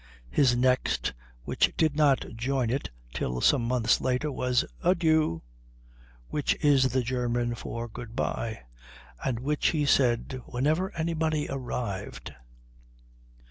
His next, which did not join it till some months later, was Adieu, which is the German for good bye and which he said whenever anybody arrived.